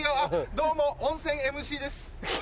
どうも温泉ＭＣです。